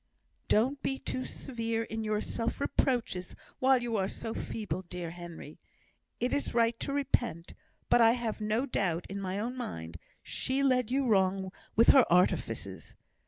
"Don't be too severe in your self reproaches while you are so feeble, dear Henry; it is right to repent, but I have no doubt in my own mind she led you wrong with her artifices.